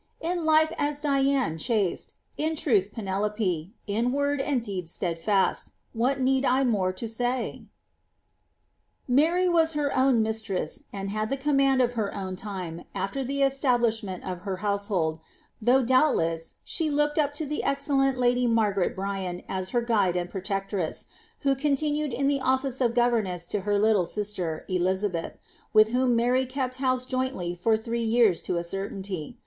•"In lilb a Dian In truth Penelope; In word and deed steadfiut^ What need i more lo nf T Mary was her own inistresa^ and had the command of her own timii after the establishment of her household, though, doubtless, she lookid up to the excellent lady Margaret Bryan as her guide and proteetraii who continued in the office of governess to her little sisterf Eliabedi, with wlioui Mary kept house jointly for three years to a certainty.